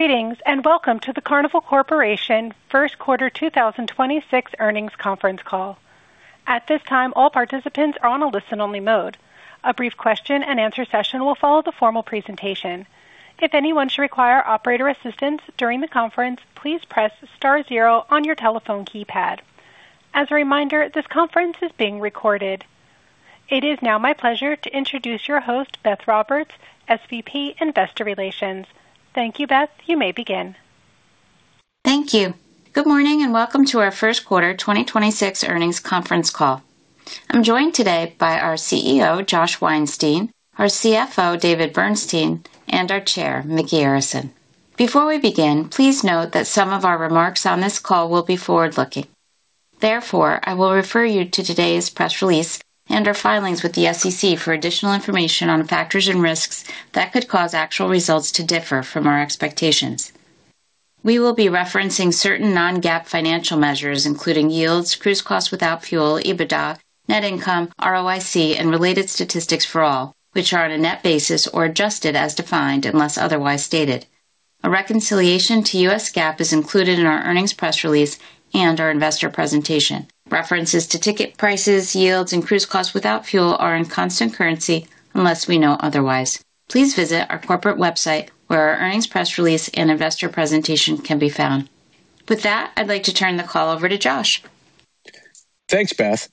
Greetings, and welcome to the Carnival Corporation First Quarter 2026 earnings conference call. At this time, all participants are in listen-only mode. A brief question-and-answer session will follow the formal presentation. If anyone should require operator assistance during the conference, please press star zero on your telephone keypad. As a reminder, this conference is being recorded. It is now my pleasure to introduce your host, Beth Roberts, SVP, Investor Relations. Thank you, Beth. You may begin. Thank you. Good morning, and welcome to our first quarter 2026 earnings conference call. I'm joined today by our CEO, Josh Weinstein, our CFO, David Bernstein, and our Chair, Micky Arison. Before we begin, please note that some of our remarks on this call will be forward-looking. Therefore, I will refer you to today's press release and our filings with the SEC for additional information on factors and risks that could cause actual results to differ from our expectations. We will be referencing certain non-GAAP financial measures, including yields, cruise costs without fuel, EBITDA, net income, ROIC and related statistics for all which are on a net basis or adjusted as defined unless otherwise stated. A reconciliation to U.S. GAAP is included in our earnings press release and our investor presentation. References to ticket prices, yields and cruise costs without fuel are in constant currency unless we note otherwise. Please visit our corporate website where our earnings press release and investor presentation can be found. With that, I'd like to turn the call over to Josh. Thanks, Beth.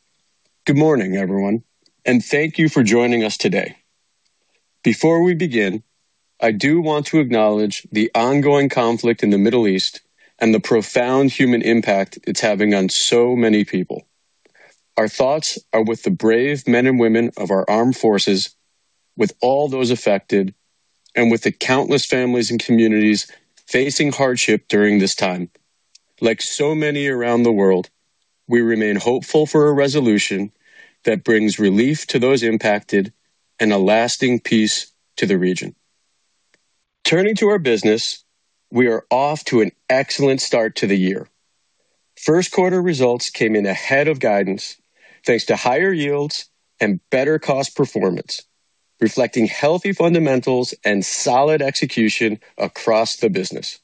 Good morning, everyone, and thank you for joining us today. Before we begin, I do want to acknowledge the ongoing conflict in the Middle East and the profound human impact it's having on so many people. Our thoughts are with the brave men and women of our armed forces, with all those affected, and with the countless families and communities facing hardship during this time. Like so many around the world, we remain hopeful for a resolution that brings relief to those impacted and a lasting peace to the region. Turning to our business, we are off to an excellent start to the year. First quarter results came in ahead of guidance thanks to higher yields and better cost performance, reflecting healthy fundamentals and solid execution across the business.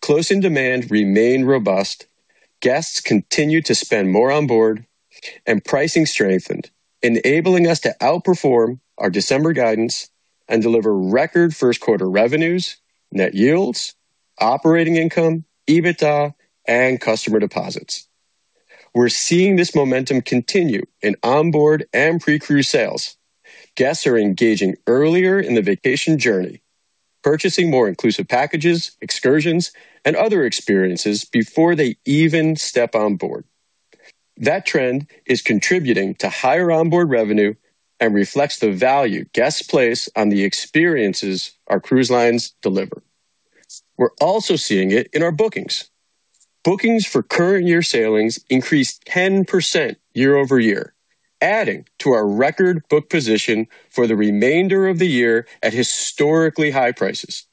Closing demand remained robust. Guests continued to spend more on board and pricing strengthened, enabling us to outperform our December guidance and deliver record first quarter revenues, net yields, operating income, EBITDA and customer deposits. We're seeing this momentum continue in onboard and pre-cruise sales. Guests are engaging earlier in the vacation journey, purchasing more inclusive packages, excursions and other experiences before they even step on board. That trend is contributing to higher onboard revenue and reflects the value guests place on the experiences our cruise lines deliver. We're also seeing it in our bookings. Bookings for current year sailings increased 10% year-over-year, adding to our record book position for the remainder of the year at historically high prices.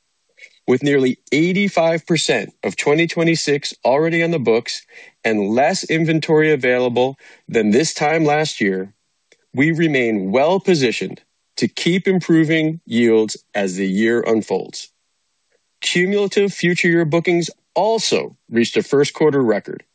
With nearly 85% of 2026 already on the books and less inventory available than this time last year, we remain well-positioned to keep improving yields as the year unfolds. Cumulative future year bookings also reached a first quarter record,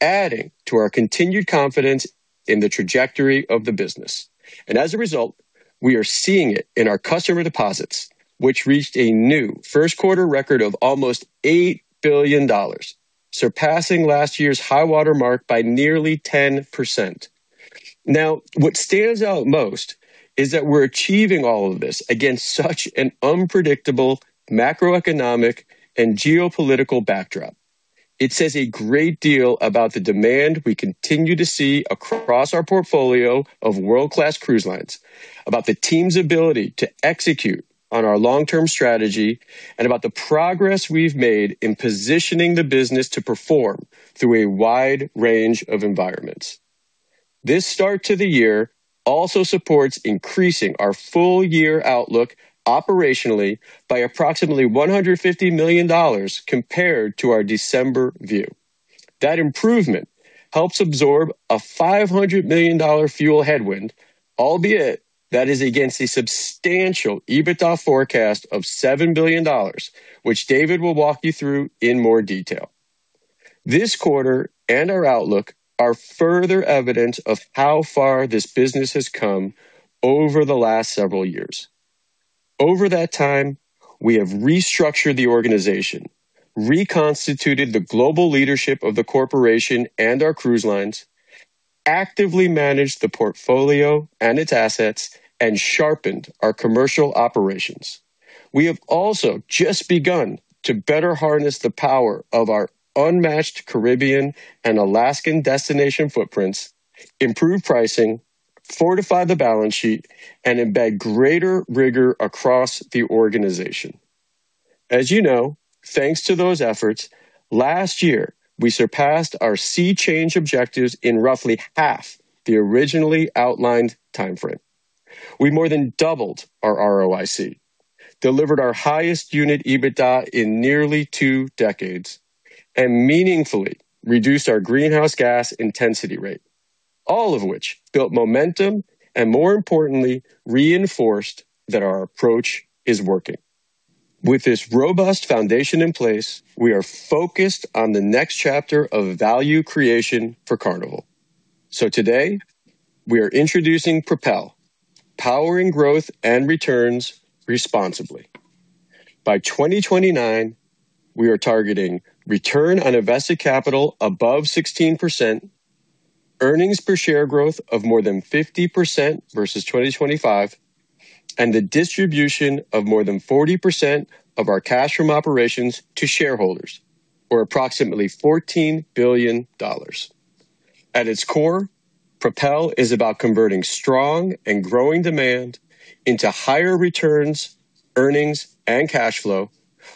adding to our continued confidence in the trajectory of the business. As a result, we are seeing it in our customer deposits, which reached a new first quarter record of almost $8 billion, surpassing last year's high water mark by nearly 10%. Now, what stands out most is that we're achieving all of this against such an unpredictable macroeconomic and geopolitical backdrop. It says a great deal about the demand we continue to see across our portfolio of world-class cruise lines, about the team's ability to execute on our long-term strategy, and about the progress we've made in positioning the business to perform through a wide range of environments. This start to the year also supports increasing our full year outlook operationally by approximately $150 million compared to our December view. That improvement helps absorb a $500 million fuel headwind, albeit that is against a substantial EBITDA forecast of $7 billion, which David will walk you through in more detail. This quarter and our outlook are further evidence of how far this business has come over the last several years. Over that time, we have restructured the organization, reconstituted the global leadership of the corporation and our cruise lines, actively managed the portfolio and its assets, and sharpened our commercial operations. We have also just begun to better harness the power of our unmatched Caribbean and Alaskan destination footprints, improve pricing, fortify the balance sheet, and embed greater rigor across the organization. As you know, thanks to those efforts, last year we surpassed our SEA Change objectives in roughly half the originally outlined timeframe. We more than doubled our ROIC, delivered our highest unit EBITDA in nearly two decades, and meaningfully reduced our greenhouse gas intensity rate. All of which built momentum and more importantly, reinforced that our approach is working. With this robust foundation in place, we are focused on the next chapter of value creation for Carnival. Today, we are introducing PROPEL, powering growth and returns responsibly. By 2029, we are targeting return on invested capital above 16%, earnings per share growth of more than 50% versus 2025, and the distribution of more than 40% of our cash from operations to shareholders, or approximately $14 billion. At its core, PROPEL is about converting strong and growing demand into higher returns, earnings, and cash flow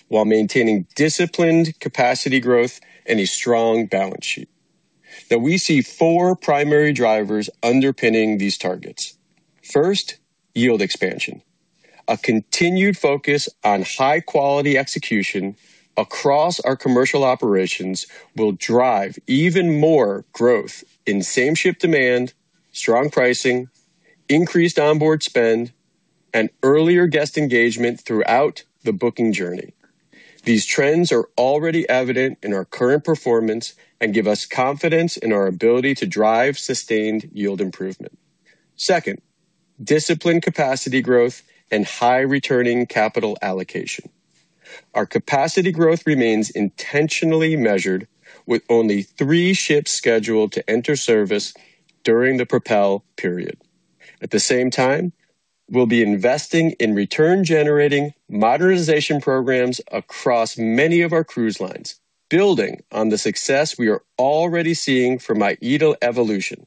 while maintaining disciplined capacity growth and a strong balance sheet. Now we see four primary drivers underpinning these targets. First, yield expansion. A continued focus on high-quality execution across our commercial operations will drive even more growth in same-ship demand, strong pricing, increased onboard spend, and earlier guest engagement throughout the booking journey. These trends are already evident in our current performance and give us confidence in our ability to drive sustained yield improvement. Second, disciplined capacity growth and high returning capital allocation. Our capacity growth remains intentionally measured with only three ships scheduled to enter service during the PROPEL period. At the same time, we'll be investing in return-generating modernization programs across many of our cruise lines, building on the success we are already seeing from AIDA Evolution.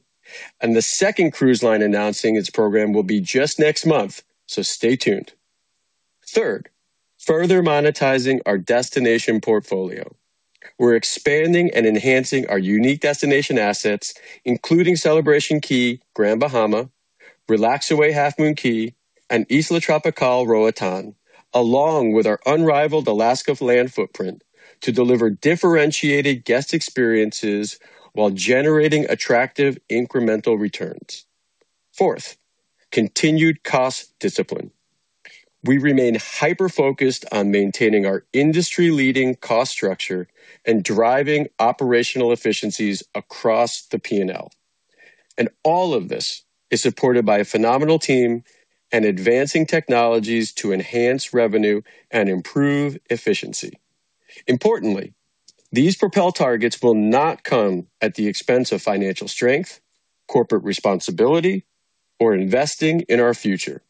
The second cruise line announcing its program will be just next month, so stay tuned. Third, further monetizing our destination portfolio. We're expanding and enhancing our unique destination assets, including Celebration Key, Grand Bahama, Relaxaway Half Moon Cay, and Isla Tropical, Roatán, along with our unrivaled Alaska land footprint to deliver differentiated guest experiences while generating attractive incremental returns. Fourth, continued cost discipline. We remain hyper-focused on maintaining our industry-leading cost structure and driving operational efficiencies across the P&L. All of this is supported by a phenomenal team and advancing technologies to enhance revenue and improve efficiency. Importantly, these PROPEL targets will not come at the expense of financial strength, corporate responsibility, or investing in our future.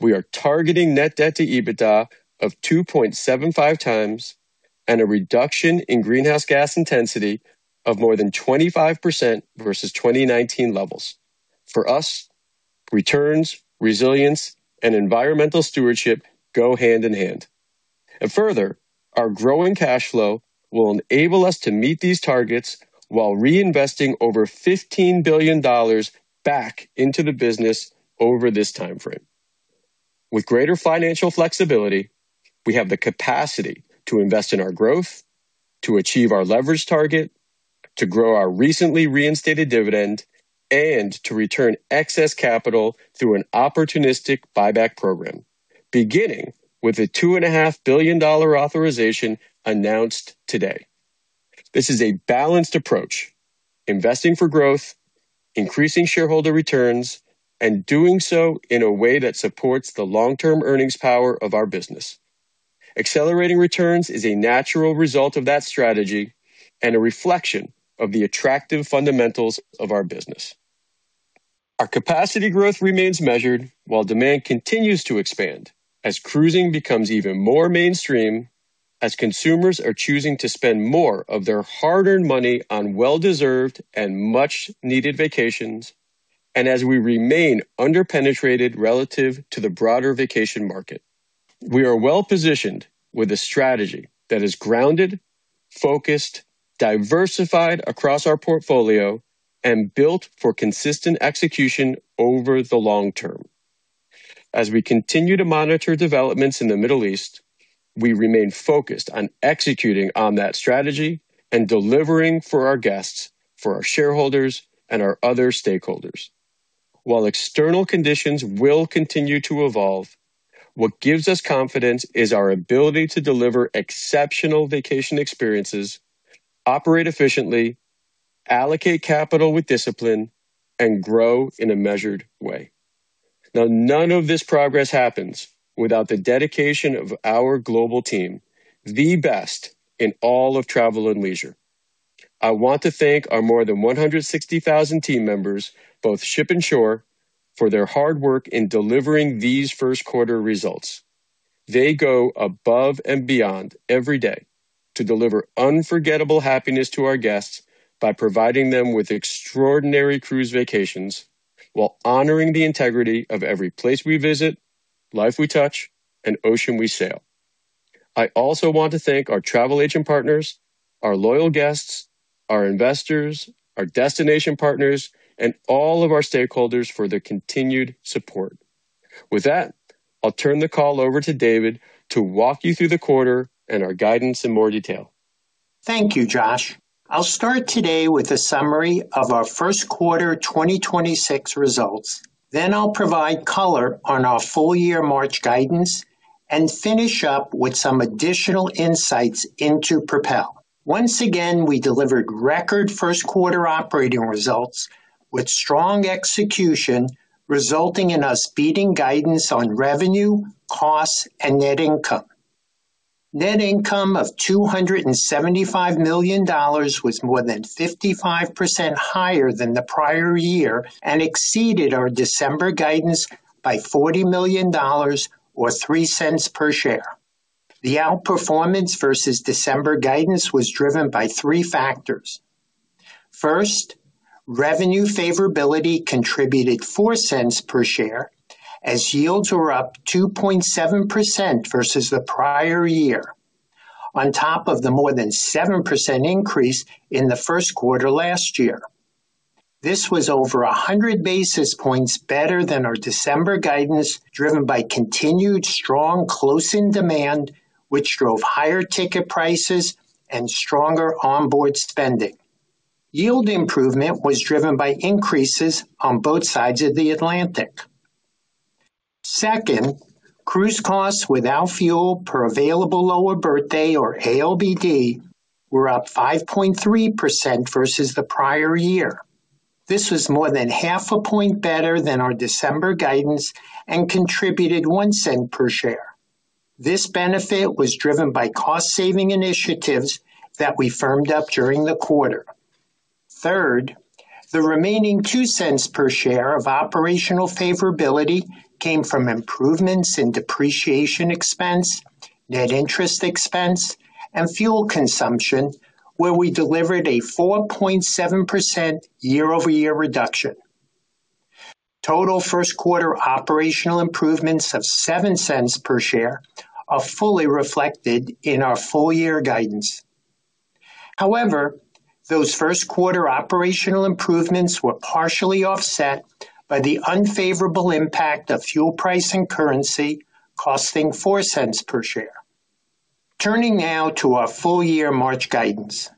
We are targeting net debt to EBITDA of 2.75x and a reduction in greenhouse gas intensity of more than 25% versus 2019 levels. For us, returns, resilience, and environmental stewardship go hand in hand. Further, our growing cash flow will enable us to meet these targets while reinvesting over $15 billion back into the business over this timeframe. With greater financial flexibility, we have the capacity to invest in our growth, to achieve our leverage target, to grow our recently reinstated dividend, and to return excess capital through an opportunistic buyback program, beginning with a $2.5 billion authorization announced today. This is a balanced approach, investing for growth, increasing shareholder returns, and doing so in a way that supports the long-term earnings power of our business. Accelerating returns is a natural result of that strategy and a reflection of the attractive fundamentals of our business. Our capacity growth remains measured while demand continues to expand as cruising becomes even more mainstream, as consumers are choosing to spend more of their hard-earned money on well-deserved and much-needed vacations, and as we remain under-penetrated relative to the broader vacation market. We are well-positioned with a strategy that is grounded, focused, diversified across our portfolio, and built for consistent execution over the long term. As we continue to monitor developments in the Middle East, we remain focused on executing on that strategy and delivering for our guests, for our shareholders, and our other stakeholders. While external conditions will continue to evolve, what gives us confidence is our ability to deliver exceptional vacation experiences, operate efficiently, allocate capital with discipline, and grow in a measured way. Now none of this progress happens without the dedication of our global team, the best in all of travel and leisure. I want to thank our more than 160,000 team members, both ship and shore, for their hard work in delivering these first quarter results. They go above and beyond every day to deliver unforgettable happiness to our guests by providing them with extraordinary cruise vacations while honoring the integrity of every place we visit, life we touch, and ocean we sail. I also want to thank our travel agent partners, our loyal guests, our investors, our destination partners, and all of our stakeholders for their continued support. With that, I'll turn the call over to David to walk you through the quarter and our guidance in more detail. Thank you, Josh. I'll start today with a summary of our first quarter 2026 results. I'll provide color on our full year March guidance and finish up with some additional insights into PROPEL. Once again, we delivered record first quarter operating results with strong execution, resulting in us beating guidance on revenue, costs, and net income. Net income of $275 million was more than 55% higher than the prior year and exceeded our December guidance by $40 million or $0.03 per share. The outperformance versus December guidance was driven by three factors. First, revenue favorability contributed $0.04 per share as yields were up 2.7% versus the prior year, on top of the more than 7% increase in the first quarter last year. This was over 100 basis points better than our December guidance, driven by continued strong closing demand, which drove higher ticket prices and stronger onboard spending. Yield improvement was driven by increases on both sides of the Atlantic. Second, cruise costs without fuel per available lower berth day or ALBD were up 5.3% versus the prior year. This was more than half a point better than our December guidance and contributed $0.01 per share. This benefit was driven by cost-saving initiatives that we firmed up during the quarter. Third, the remaining two cents per share of operational favorability came from improvements in depreciation expense, net interest expense, and fuel consumption, where we delivered a 4.7% year-over-year reduction. Total first quarter operational improvements of $0.07 per share are fully reflected in our full year guidance. However, those first quarter operational improvements were partially offset by the unfavorable impact of fuel price and currency costing $0.04 per share. Turning now to our full year March guidance.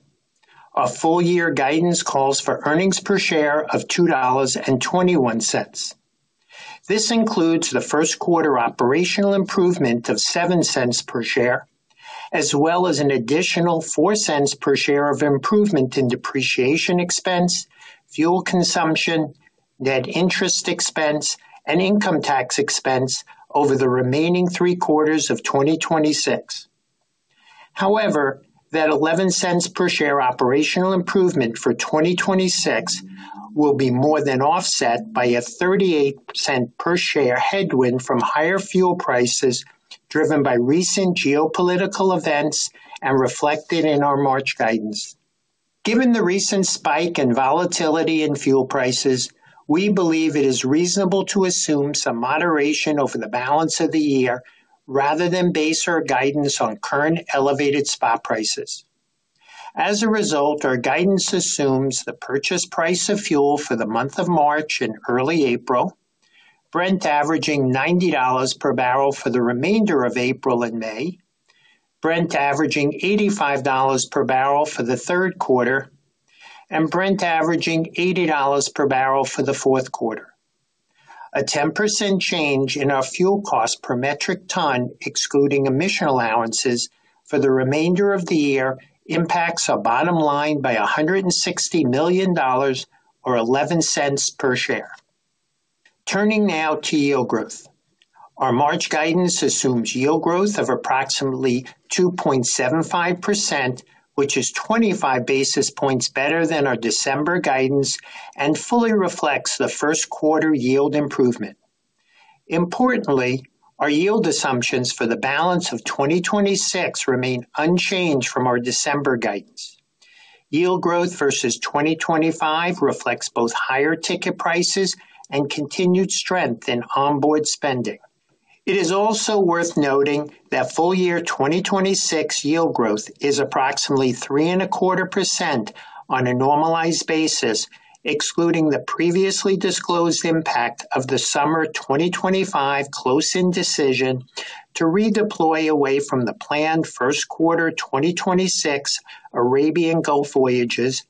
Our full year guidance calls for earnings per share of $2.21. This includes the first quarter operational improvement of $0.07 per share, as well as an additional $0.04 per share of improvement in depreciation expense, fuel consumption, net interest expense, and income tax expense over the remaining three quarters of 2026. However, that $0.11 per share operational improvement for 2026 will be more than offset by a $0.38 per share headwind from higher fuel prices, driven by recent geopolitical events and reflected in our March guidance. Given the recent spike in volatility in fuel prices, we believe it is reasonable to assume some moderation over the balance of the year rather than base our guidance on current elevated spot prices. As a result, our guidance assumes the purchase price of fuel for the month of March and early April, Brent averaging $90 per barrel for the remainder of April and May, Brent averaging $85 per barrel for the third quarter, and Brent averaging $80 per barrel for the fourth quarter. A 10% change in our fuel cost per metric ton, excluding emission allowances for the remainder of the year, impacts our bottom line by $160 million or $0.11 per share. Turning now to yield growth. Our March guidance assumes yield growth of approximately 2.75%, which is 25 basis points better than our December guidance and fully reflects the first quarter yield improvement. Importantly, our yield assumptions for the balance of 2026 remain unchanged from our December guidance. Yield growth versus 2025 reflects both higher ticket prices and continued strength in onboard spending. It is also worth noting that full year 2026 yield growth is approximately 3.25% on a normalized basis, excluding the previously disclosed impact of the summer 2025 close-in decision to redeploy away from the planned first quarter 2026 Arabian Gulf voyages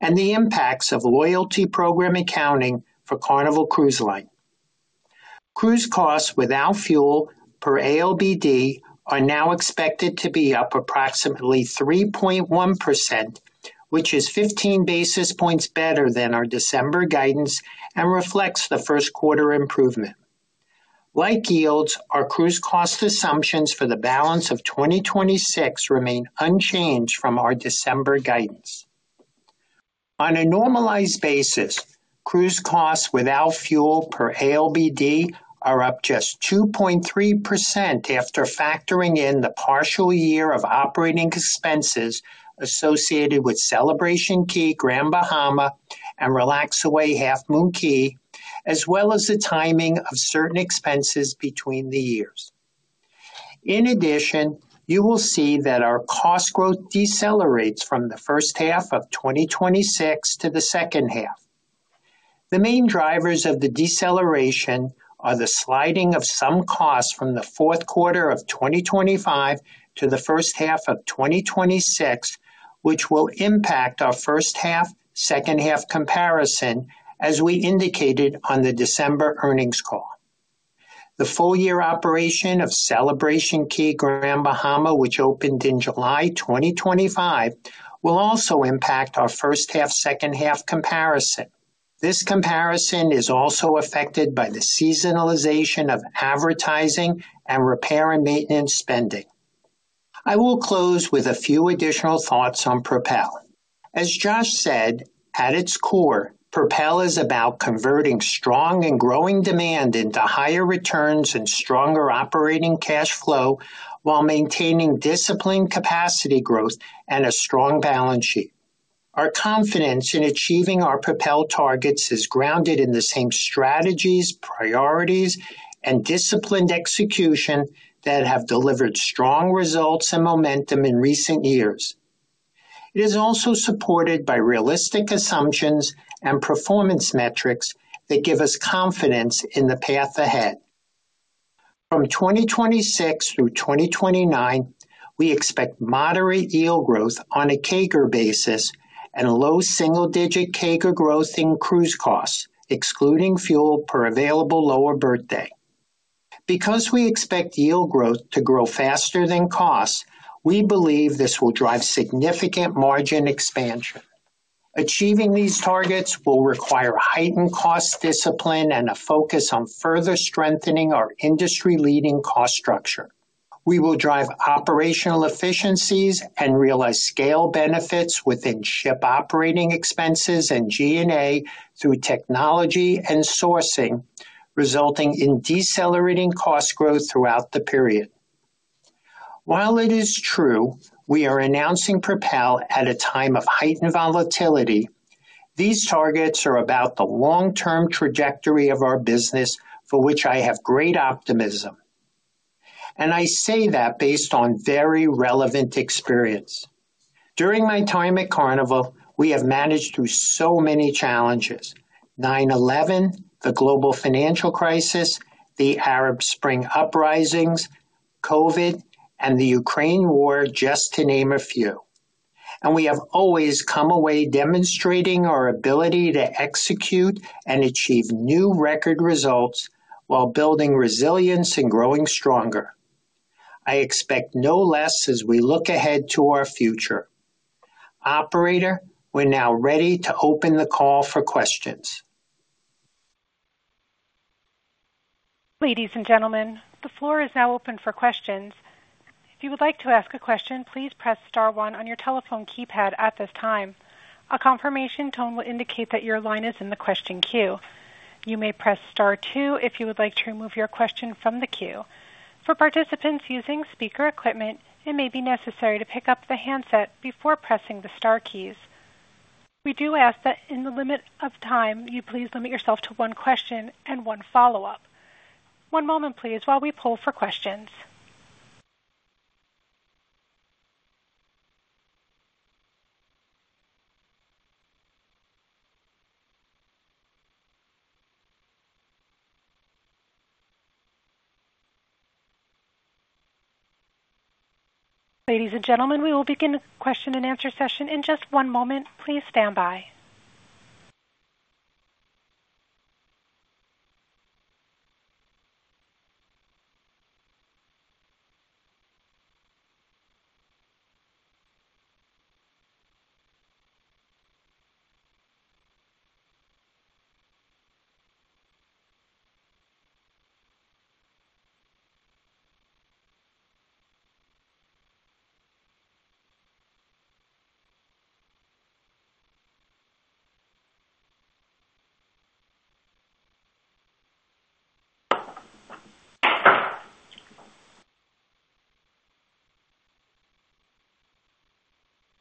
and the impacts of loyalty program accounting for Carnival Cruise Line. Cruise costs without fuel per ALBD are now expected to be up approximately 3.1%, which is 15 basis points better than our December guidance and reflects the first quarter improvement. Like yields, our cruise cost assumptions for the balance of 2026 remain unchanged from our December guidance. On a normalized basis, cruise costs without fuel per ALBD are up just 2.3% after factoring in the partial year of operating expenses associated with Celebration Key Grand Bahama and Relaxaway Half Moon Cay, as well as the timing of certain expenses between the years. In addition, you will see that our cost growth decelerates from the first half of 2026 to the second half. The main drivers of the deceleration are the sliding of some costs from the fourth quarter of 2025 to the first half of 2026, which will impact our first half, second half comparison, as we indicated on the December earnings call. The full year operation of Celebration Key Grand Bahama, which opened in July 2025, will also impact our first half, second half comparison. This comparison is also affected by the seasonalization of advertising and repair and maintenance spending. I will close with a few additional thoughts on PROPEL. As Josh said, at its core, PROPEL is about converting strong and growing demand into higher returns and stronger operating cash flow while maintaining disciplined capacity growth and a strong balance sheet. Our confidence in achieving our PROPEL targets is grounded in the same strategies, priorities, and disciplined execution that have delivered strong results and momentum in recent years. It is also supported by realistic assumptions and performance metrics that give us confidence in the path ahead. From 2026 through 2029, we expect moderate yield growth on a CAGR basis and low single-digit CAGR growth in cruise costs, excluding fuel per available lower berth day. Because we expect yield growth to grow faster than costs, we believe this will drive significant margin expansion. Achieving these targets will require heightened cost discipline and a focus on further strengthening our industry-leading cost structure. We will drive operational efficiencies and realize scale benefits within ship operating expenses and G&A through technology and sourcing, resulting in decelerating cost growth throughout the period. While it is true we are announcing PROPEL at a time of heightened volatility, these targets are about the long-term trajectory of our business, for which I have great optimism. I say that based on very relevant experience. During my time at Carnival, we have managed through so many challenges, 9/11, the global financial crisis, the Arab Spring, COVID-19, and the Ukraine war, just to name a few. We have always come away demonstrating our ability to execute and achieve new record results while building resilience and growing stronger. I expect no less as we look ahead to our future. Operator, we're now ready to open the call for questions. Ladies and gentlemen, the floor is now open for questions. If you would like to ask a question, please press star one on your telephone keypad at this time. A confirmation tone will indicate that your line is in the question queue. You may press star two if you would like to remove your question from the queue. For participants using speaker equipment, it may be necessary to pick up the handset before pressing the star keys. We do ask that in the interest of time, you please limit yourself to one question and one follow-up. One moment, please, while we poll for questions. Ladies and gentlemen, we will begin the question-and-answer session in just one moment. Please stand by.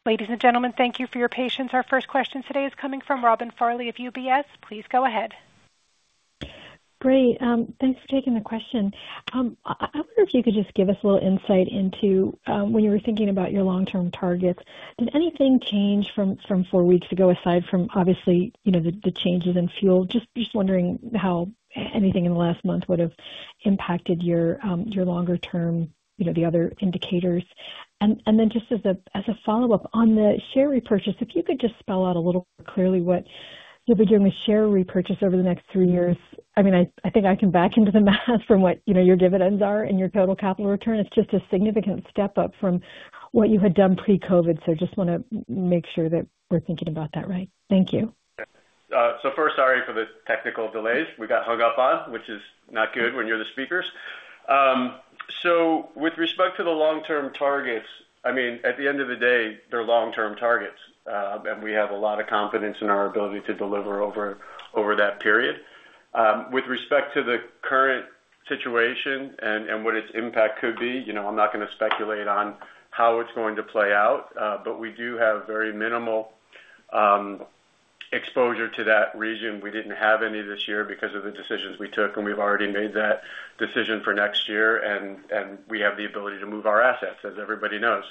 Ladies and gentlemen, thank you for your patience. Our first question today is coming from Robin Farley of UBS. Please go ahead. Great. Thanks for taking the question. I wonder if you could just give us a little insight into when you were thinking about your long-term targets. Did anything change from four weeks ago, aside from obviously, you know, the changes in fuel? Just wondering how anything in the last month would have impacted your longer term, you know, the other indicators. Then just as a follow-up on the share repurchase, if you could just spell out a little more clearly what you'll be doing with share repurchase over the next three years. I mean, I think I can back into the math from what, you know, your dividends are and your total capital return. It's just a significant step up from what you had done pre-COVID-19. Just wanna make sure that we're thinking about that right. Thank you. First, sorry for the technical delays. We got hung up on, which is not good when you're the speakers. With respect to the long-term targets, I mean, at the end of the day, they're long-term targets, and we have a lot of confidence in our ability to deliver over that period. With respect to the current situation and what its impact could be, you know, I'm not gonna speculate on how it's going to play out, but we do have very minimal exposure to that region. We didn't have any this year because of the decisions we took, and we've already made that decision for next year and we have the ability to move our assets, as everybody knows.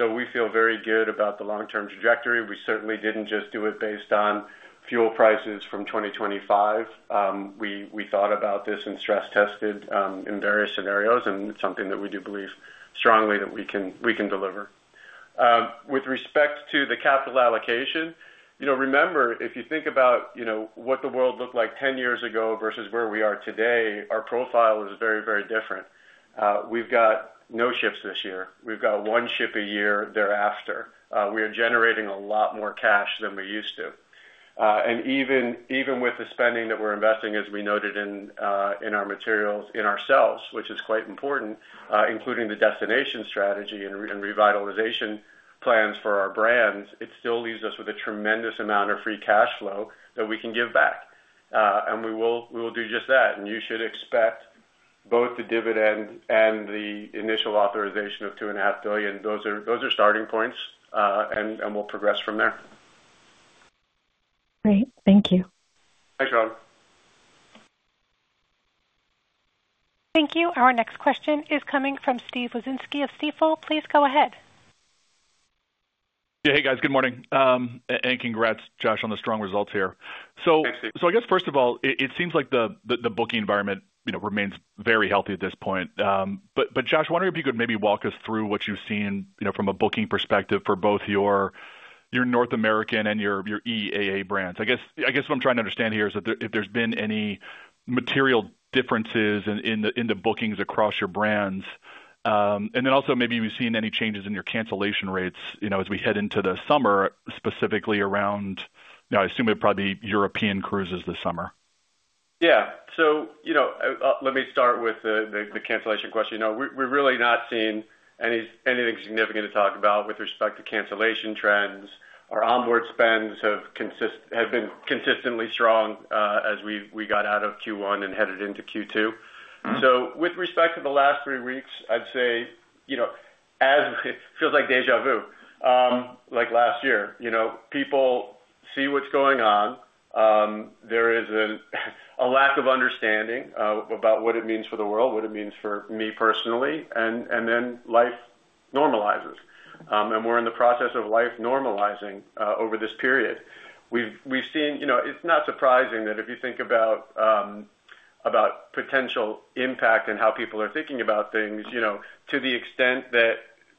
We feel very good about the long-term trajectory. We certainly didn't just do it based on fuel prices from 2025. We thought about this and stress-tested in various scenarios, and it's something that we do believe strongly that we can deliver. With respect to the capital allocation, you know, remember, if you think about, you know, what the world looked like 10 years ago versus where we are today, our profile is very, very different. We've got no ships this year. We've got one ship a year thereafter. We are generating a lot more cash than we used to. Even with the spending that we're investing, as we noted in our materials, in ourselves, which is quite important, including the destination strategy and revitalization plans for our brands, it still leaves us with a tremendous amount of free cash flow that we can give back. We will do just that. You should expect both the dividend and the initial authorization of $2.5 billion. Those are starting points, and we'll progress from there. Great. Thank you. Thanks, Robin. Thank you. Our next question is coming from Steve Wieczynski of Stifel. Please go ahead. Yeah, hey, guys, good morning. Congrats, Josh, on the strong results here. Thanks, Steve. I guess, first of all, it seems like the booking environment, you know, remains very healthy at this point. Josh, wondering if you could maybe walk us through what you've seen, you know, from a booking perspective for both your North American and your EAA brands. I guess what I'm trying to understand here is if there's been any material differences in the bookings across your brands. Also maybe if you've seen any changes in your cancellation rates, you know, as we head into the summer, specifically around, you know, I assume probably European cruises this summer. Let me start with the cancellation question. No, we're really not seeing anything significant to talk about with respect to cancellation trends. Our onboard spends have been consistently strong as we got out of Q1 and headed into Q2. With respect to the last three weeks, I'd say, as it feels like déjà vu like last year, people see what's going on. There is a lack of understanding about what it means for the world, what it means for me personally, and then life normalizes. We're in the process of life normalizing over this period. We've seen. You know, it's not surprising that if you think about potential impact and how people are thinking about things, you know, to the extent that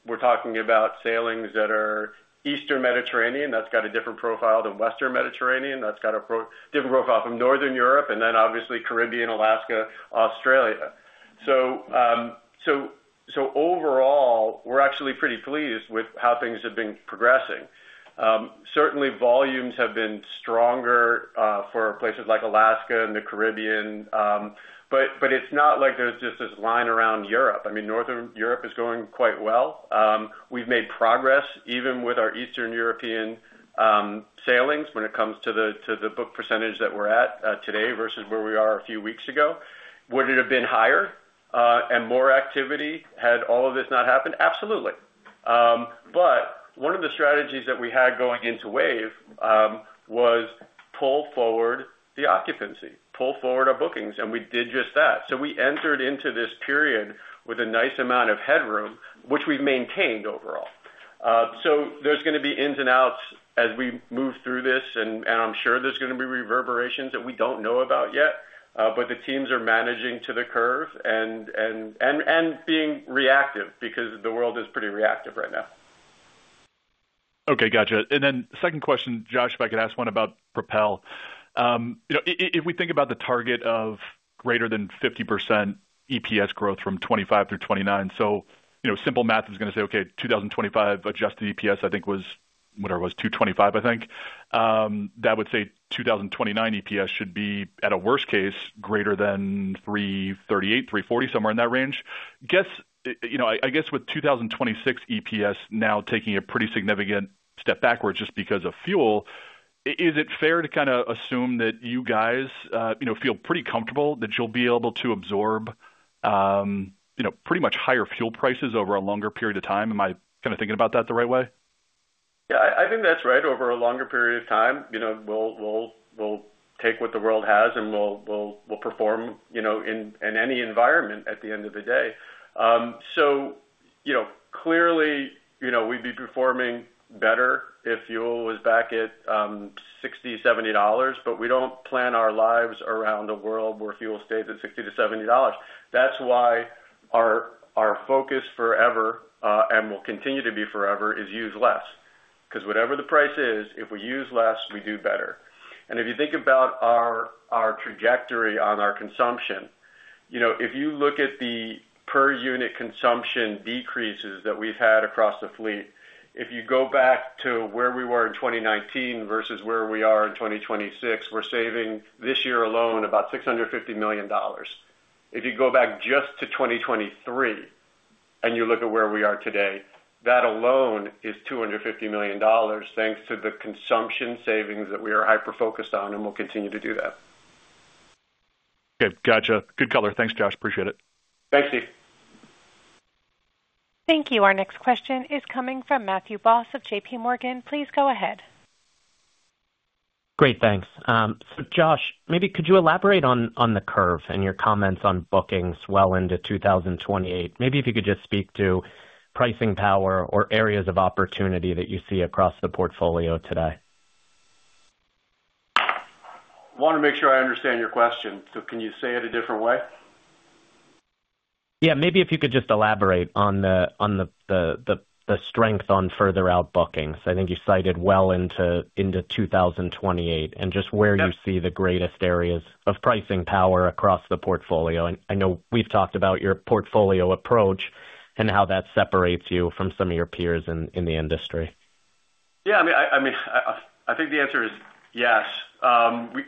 we're talking about sailings that are Eastern Mediterranean, that's got a different profile to Western Mediterranean. That's got a profoundly different profile from Northern Europe, and then obviously Caribbean, Alaska, Australia. Overall, we're actually pretty pleased with how things have been progressing. Certainly volumes have been stronger for places like Alaska and the Caribbean, but it's not like there's just this line around Europe. I mean, Northern Europe is going quite well. We've made progress even with our Eastern European sailings when it comes to the book percentage that we're at today versus where we are a few weeks ago. Would it have been higher and more activity had all of this not happened? Absolutely. One of the strategies that we had going into Wave was pull forward the occupancy, pull forward our bookings, and we did just that. We entered into this period with a nice amount of headroom, which we've maintained overall. There's gonna be ins and outs as we move through this, and I'm sure there's gonna be reverberations that we don't know about yet. The teams are managing to the curve and being reactive because the world is pretty reactive right now. Okay. Gotcha. Second question, Josh, if I could ask one about PROPEL. You know, if we think about the target of greater than 50% EPS growth from 2025 through 2029, so, you know, simple math is gonna say, okay, 2025 adjusted EPS, I think was, whatever it was, $2.25, I think. That would say 2029 EPS should be, at a worst case, greater than $3.38, $3.40, somewhere in that range. You know, I guess with 2026 EPS now taking a pretty significant step backwards just because of fuel, is it fair to kinda assume that you guys, you know, feel pretty comfortable that you'll be able to absorb, you know, pretty much higher fuel prices over a longer period of time? Am I kinda thinking about that the right way? Yeah. I think that's right. Over a longer period of time, you know, we'll take what the world has and we'll perform, you know, in any environment at the end of the day. So, you know, clearly, you know, we'd be performing better if fuel was back at $60-$70, but we don't plan our lives around a world where fuel stays at $60-$70. That's why our focus forever and will continue to be forever is use less. Because whatever the price is, if we use less, we do better. If you think about our trajectory on our consumption, you know, if you look at the per unit consumption decreases that we've had across the fleet, if you go back to where we were in 2019 versus where we are in 2026, we're saving this year alone about $650 million. If you go back just to 2023 and you look at where we are today, that alone is $250 million, thanks to the consumption savings that we are hyper-focused on, and we'll continue to do that. Okay. Gotcha. Good color. Thanks, Josh. I appreciate it. Thanks, Steve. Thank you. Our next question is coming from Matthew Boss of JPMorgan. Please go ahead. Great. Thanks. Josh, maybe could you elaborate on the curve and your comments on bookings well into 2028? Maybe if you could just speak to pricing power or areas of opportunity that you see across the portfolio today. want to make sure I understand your question, so can you say it a different way? Yeah. Maybe if you could just elaborate on the strength on further out bookings. I think you cited well into 2028 and just where you see the greatest areas of pricing power across the portfolio. I know we've talked about your portfolio approach and how that separates you from some of your peers in the industry. Yeah, I mean, I think the answer is yes.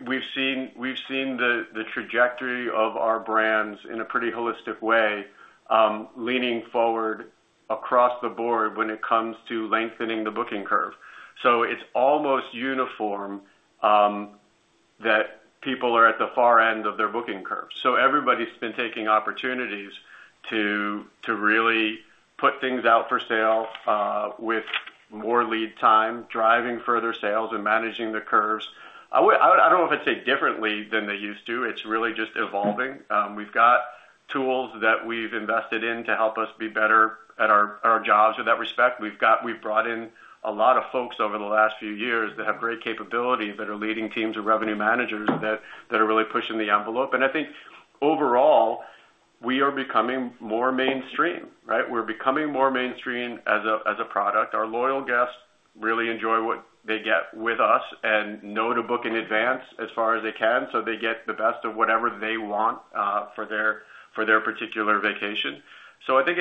We've seen the trajectory of our brands in a pretty holistic way, leaning forward across the board when it comes to lengthening the booking curve. It's almost uniform that people are at the far end of their booking curve. Everybody's been taking opportunities to really put things out for sale with more lead time, driving further sales and managing the curves. I don't know if it's differently than they used to. It's really just evolving. We've got tools that we've invested in to help us be better at our jobs in that respect. We've brought in a lot of folks over the last few years that have great capabilities, that are leading teams of revenue managers that are really pushing the envelope. I think overall, we are becoming more mainstream, right? We're becoming more mainstream as a product. Our loyal guests really enjoy what they get with us and know to book in advance as far as they can, so they get the best of whatever they want for their particular vacation. I think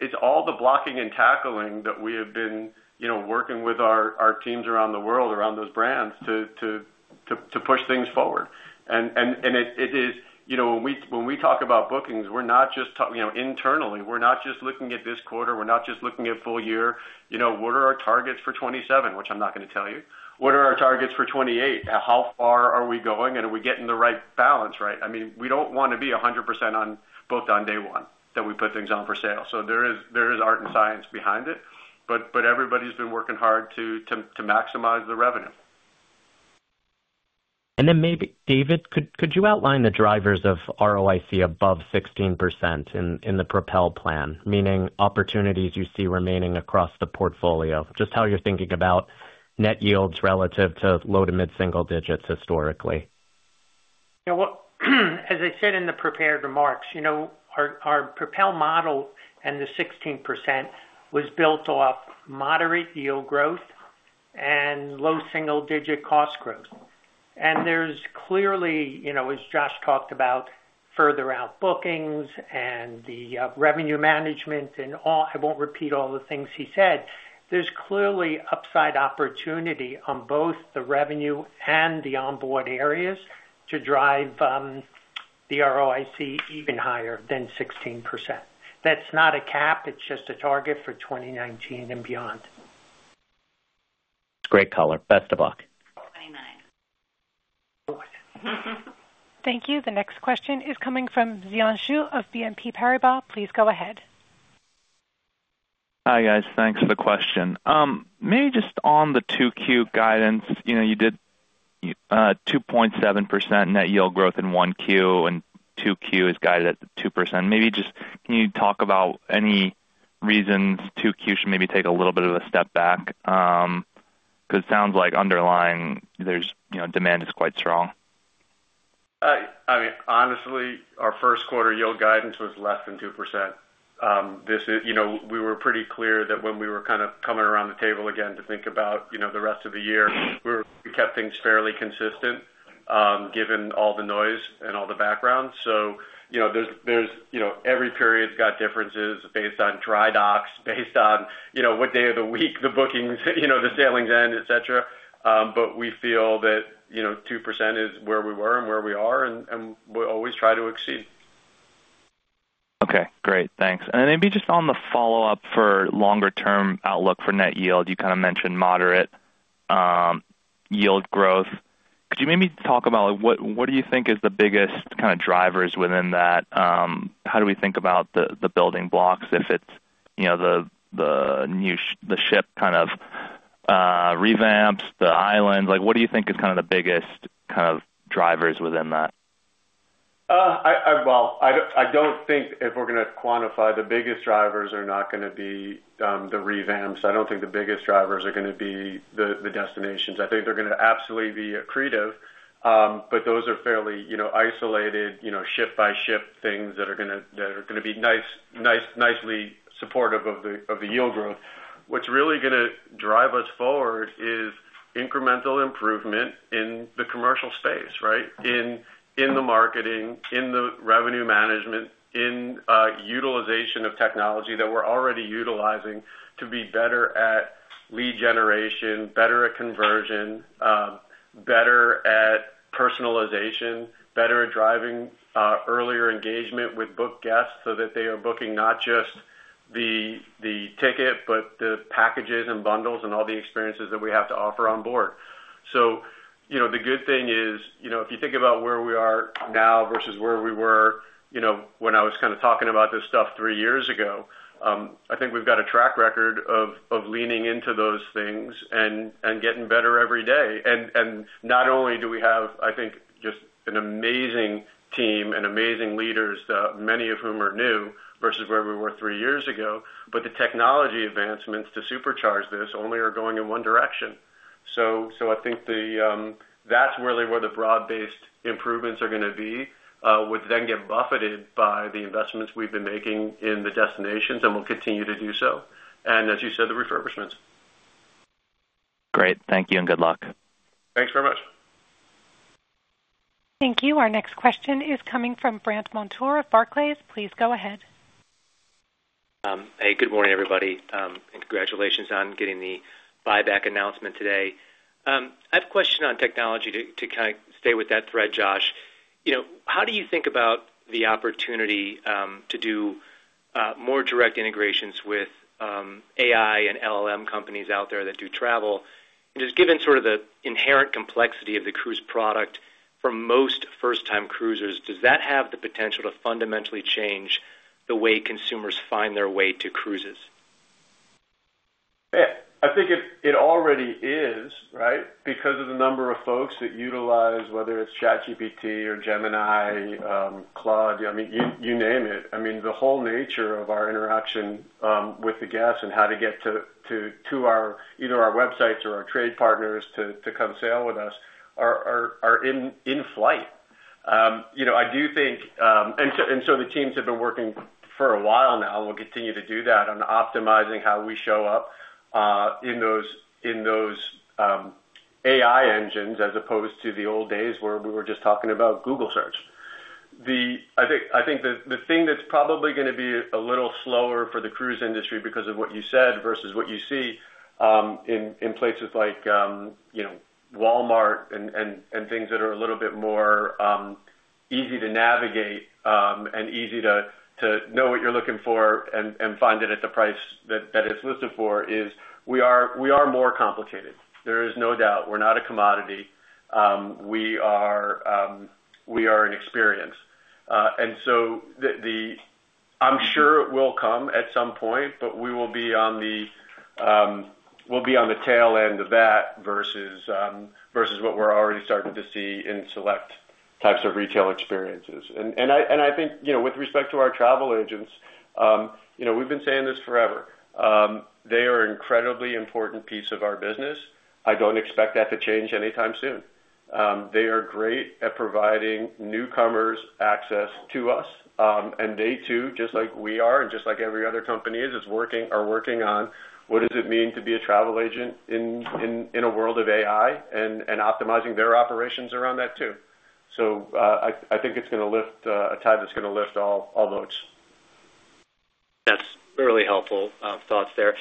it's all the blocking and tackling that we have been, you know, working with our teams around the world, around those brands to push things forward. It is. You know, when we talk about bookings, we're not just, you know, internally, we're not just looking at this quarter, we're not just looking at full year. You know, what are our targets for 2027, which I'm not gonna tell you. What are our targets for 2028? How far are we going, and are we getting the right balance, right? I mean, we don't wanna be 100% booked on day one, that we put things on for sale. There is art and science behind it, but everybody's been working hard to maximize the revenue. Then maybe David, could you outline the drivers of ROIC above 16% in the PROPEL plan? Meaning opportunities you see remaining across the portfolio, just how you're thinking about net yields relative to low- to mid-single digits historically. Yeah. Well, as I said in the prepared remarks, you know, our PROPEL model and the 16% was built off moderate yield growth and low single digit cost growth. There's clearly, you know, as Josh talked about further out bookings and the revenue management and all, I won't repeat all the things he said. There's clearly upside opportunity on both the revenue and the onboard areas to drive the ROIC even higher than 16%. That's not a cap, it's just a target for 2019 and beyond. Great color. Best of luck. Thank you. The next question is coming from Xian Xu of BNP Paribas. Please go ahead. Hi, guys. Thanks for the question. Maybe just on the 2Q guidance, you know, you did 2.7% net yield growth in 1Q, and 2Q is guided at 2%. Maybe just can you talk about any reasons 2Q should maybe take a little bit of a step back? Because it sounds like underlying, there's, you know, demand is quite strong. I mean, honestly, our first quarter yield guidance was less than 2%. This is, you know, we were pretty clear that when we were kind of coming around the table again to think about, you know, the rest of the year, we kept things fairly consistent, given all the noise and all the background. You know, there's every period's got differences based on dry docks, based on, you know, what day of the week the bookings, you know, the sailings end, et cetera. We feel that, you know, 2% is where we were and where we are, and we always try to exceed. Okay. Great. Thanks. Maybe just on the follow-up for longer term outlook for net yield, you kind of mentioned moderate yield growth. Could you maybe talk about what do you think is the biggest kind of drivers within that? How do we think about the building blocks if it's, you know, the new ship kind of revamps the island? Like, what do you think is the biggest kind of drivers within that? Well, I don't think if we're gonna quantify the biggest drivers are not gonna be the revamps. I don't think the biggest drivers are gonna be the destinations. I think they're gonna absolutely be accretive. Those are fairly, you know, isolated, you know, ship by ship things that are gonna be nice, nicely supportive of the yield growth. What's really gonna drive us forward is incremental improvement in the commercial space, right? In the marketing, in the revenue management, utilization of technology that we're already utilizing to be better at lead generation, better at conversion, better at personalization, better at driving earlier engagement with booked guests so that they are booking not just the ticket, but the packages and bundles and all the experiences that we have to offer on board. You know, the good thing is, you know, if you think about where we are now versus where we were, you know, when I was kind of talking about this stuff three years ago, I think we've got a track record of leaning into those things and getting better every day. Not only do we have, I think, just an amazing team and amazing leaders, many of whom are new versus where we were three years ago, but the technology advancements to supercharge this only are going in one direction. I think that's really where the broad-based improvements are gonna be, would then get buffeted by the investments we've been making in the destinations, and we'll continue to do so. As you said, the refurbishments. Great. Thank you, and good luck. Thanks very much. Thank you. Our next question is coming from Brandt Montour of Barclays. Please go ahead. Hey, good morning, everybody, and congratulations on getting the buyback announcement today. I have a question on technology to kind of stay with that thread, Josh. You know, how do you think about the opportunity to do more direct integrations with AI and LLM companies out there that do travel? Just given sort of the inherent complexity of the cruise product for most first-time cruisers, does that have the potential to fundamentally change the way consumers find their way to cruises? Yeah. I think it already is, right? Because of the number of folks that utilize whether it's ChatGPT or Gemini, Claude, I mean, you name it. I mean, the whole nature of our interaction with the guests and how to get to our you know, our websites or our trade partners to come sail with us are in flight. You know, I do think the teams have been working for a while now and will continue to do that on optimizing how we show up in those AI engines as opposed to the old days where we were just talking about Google Search. I think the thing that's probably gonna be a little slower for the cruise industry because of what you said versus what you see in places like you know Walmart and things that are a little bit more easy to navigate and easy to know what you're looking for and find it at the price that it's listed for is we are more complicated. There is no doubt. We're not a commodity. We are an experience. I'm sure it will come at some point, but we'll be on the tail end of that versus what we're already starting to see in select types of retail experiences. I think, you know, with respect to our travel agents, we've been saying this forever. They are an incredibly important piece of our business. I don't expect that to change anytime soon. They are great at providing newcomers access to us. They too, just like we are, and just like every other company is, are working on what does it mean to be a travel agent in a world of AI and optimizing their operations around that too. I think it's gonna lift a tide that's gonna lift all boats. That's really helpful, thoughts there.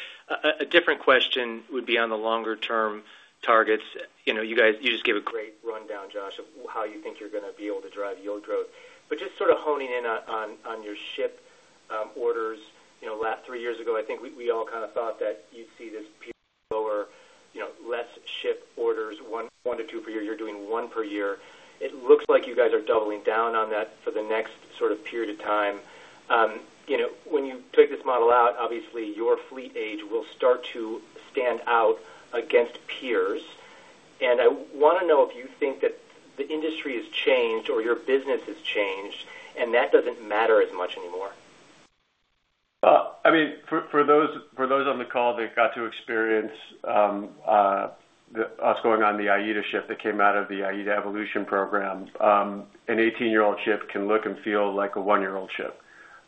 A different question would be on the longer-term targets. You know, you guys, you just gave a great rundown, Josh, of how you think you're gonna be able to drive yield growth. But just sort of honing in on your ship orders. You know, last three years ago, I think we all kind of thought that you'd see this lower, you know, less ship orders, one to two per year. You're doing one per year. It looks like you guys are doubling down on that for the next sort of period of time. You know, when you take this model out, obviously your fleet age will start to stand out against peers. I wanna know if you think that the industry has changed or your business has changed, and that doesn't matter as much anymore. Well, I mean, for those on the call that got to experience what's going on in the AIDA ship that came out of the AIDA Evolution program, an 18-year-old ship can look and feel like a one-year-old ship,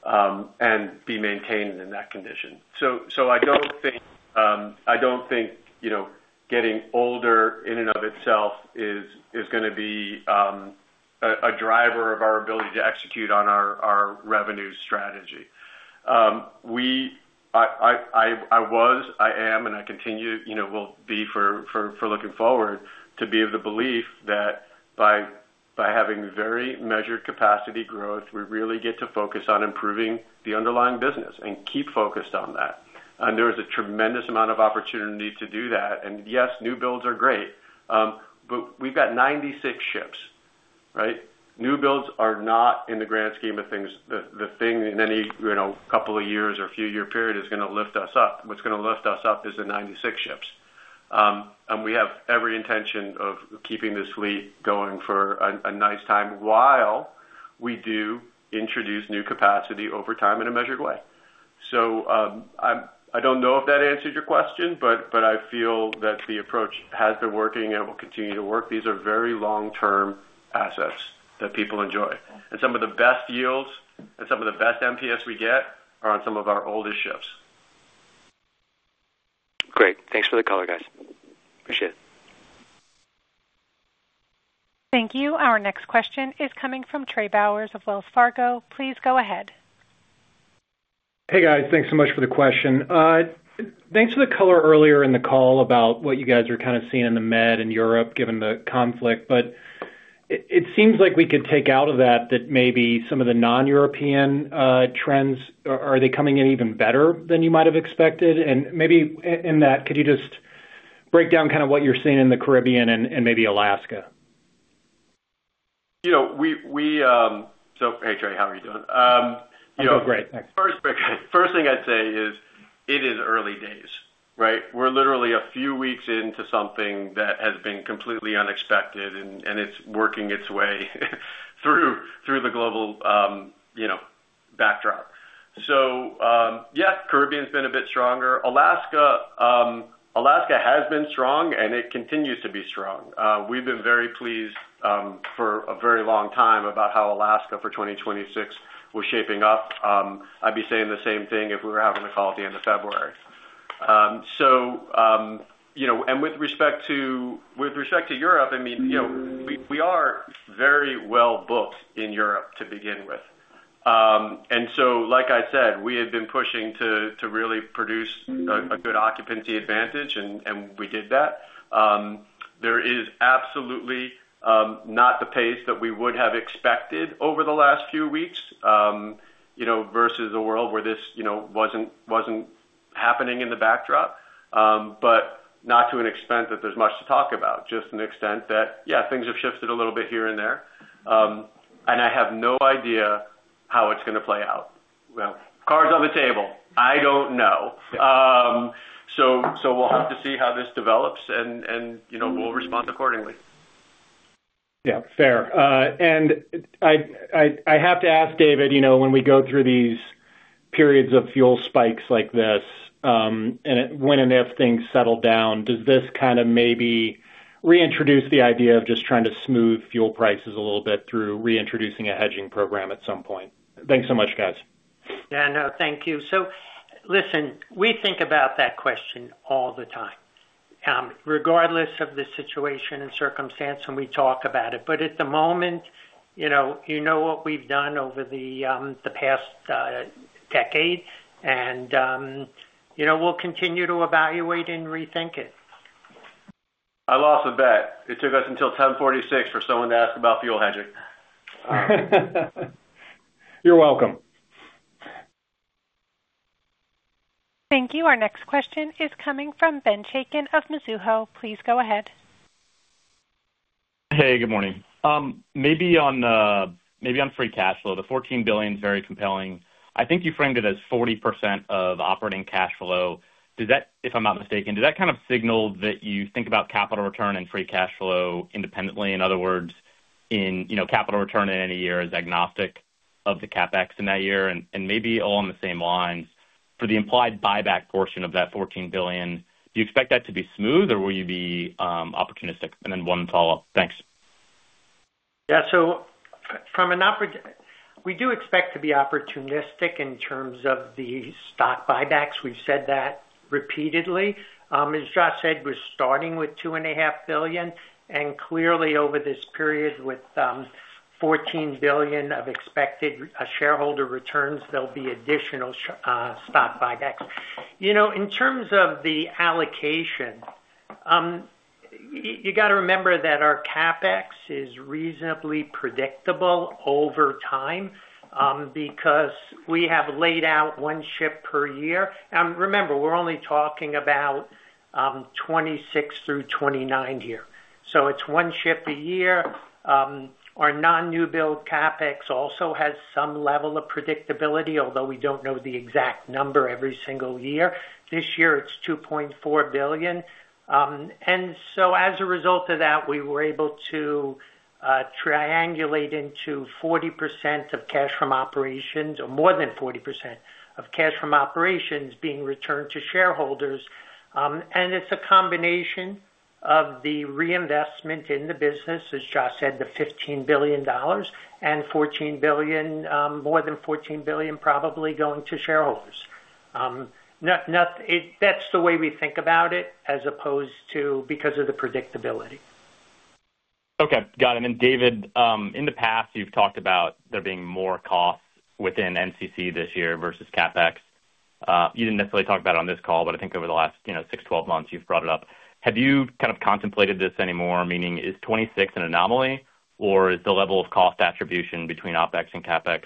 and be maintained in that condition. So, I don't think, you know, getting older in and of itself is gonna be a driver of our ability to execute on our revenue strategy. I was, I am, and I continue, you know, will be looking forward to be of the belief that by having very measured capacity growth, we really get to focus on improving the underlying business and keep focused on that. There is a tremendous amount of opportunity to do that. Yes, new builds are great, but we've got 96 ships, right? New builds are not in the grand scheme of things the thing in any, you know, couple of years or a few year period that's gonna lift us up. What's gonna lift us up is the 96 ships. We have every intention of keeping this fleet going for a nice time while we do introduce new capacity over time in a measured way. I don't know if that answered your question, but I feel that the approach has been working and will continue to work. These are very long-term assets that people enjoy. Some of the best yields and some of the best NPS we get are on some of our oldest ships. Great. Thanks for the color, guys. Appreciate it. Thank you. Our next question is coming from Trey Bowers of Wells Fargo. Please go ahead. Hey, guys. Thanks so much for the question. Thanks for the color earlier in the call about what you guys are kind of seeing in the Med and Europe given the conflict. It seems like we could take out of that that maybe some of the non-European trends are they coming in even better than you might have expected. Maybe in that, could you just break down kind of what you're seeing in the Caribbean and maybe Alaska? Hey, Trey, how are you doing? You know. I'm doing great, thanks. First thing I'd say is it is early days, right? We're literally a few weeks into something that has been completely unexpected, and it's working its way through the global, you know, backdrop. Yes, Caribbean's been a bit stronger. Alaska has been strong, and it continues to be strong. We've been very pleased for a very long time about how Alaska for 2026 was shaping up. I'd be saying the same thing if we were having the call at the end of February. You know, with respect to Europe, I mean, you know, we are very well-booked in Europe to begin with. Like I said, we had been pushing to really produce a good occupancy advantage, and we did that. There is absolutely not the pace that we would have expected over the last few weeks, you know, versus a world where this, you know, wasn't happening in the backdrop. Not to an extent that there's much to talk about. Just to an extent that, yeah, things have shifted a little bit here and there. I have no idea how it's gonna play out. Well, cards on the table. I don't know. We'll have to see how this develops and, you know, we'll respond accordingly. Yeah, fair. I have to ask, David, you know, when we go through these periods of fuel spikes like this, when and if things settle down, does this kind of maybe reintroduce the idea of just trying to smooth fuel prices a little bit through reintroducing a hedging program at some point? Thanks so much, guys. Yeah, no, thank you. Listen, we think about that question all the time, regardless of the situation and circumstance, and we talk about it. At the moment, you know, you know what we've done over the past decade and you know, we'll continue to evaluate and rethink it. I lost a bet. It took us until 10:46 for someone to ask about fuel hedging. You're welcome. Thank you. Our next question is coming from Ben Chaiken of Mizuho. Please go ahead. Hey, good morning. Maybe on free cash flow. The $14 billion is very compelling. I think you framed it as 40% of operating cash flow. Does that, if I'm not mistaken, kind of signal that you think about capital return and free cash flow independently? In other words, you know, capital return in any year is agnostic of the CapEx in that year? And maybe along the same lines, for the implied buyback portion of that $14 billion, do you expect that to be smooth, or will you be opportunistic? And then one follow-up. Thanks. Yeah. We do expect to be opportunistic in terms of the stock buybacks. We've said that repeatedly. As Josh said, we're starting with $2.5 billion. Clearly over this period, with $14 billion of expected shareholder returns, there'll be additional stock buybacks. You know, in terms of the allocation, you gotta remember that our CapEx is reasonably predictable over time, because we have laid out one ship per year. Remember, we're only talking about 2026 through 2029 here. It's one ship a year. Our non-new build CapEx also has some level of predictability, although we don't know the exact number every single year. This year it's $2.4 billion. As a result of that, we were able to triangulate into 40% of cash from operations, or more than 40% of cash from operations being returned to shareholders. It's a combination of the reinvestment in the business, as Josh said, the $15 billion and $14 billion, more than $14 billion probably going to shareholders. That's the way we think about it as opposed to because of the predictability. Okay, got it. David, in the past you've talked about there being more costs within NCC this year versus CapEx. You didn't necessarily talk about it on this call, but I think over the last, you know, 6, 12 months you've brought it up. Have you kind of contemplated this anymore? Meaning is 2026 an anomaly or is the level of cost attribution between OpEx and CapEx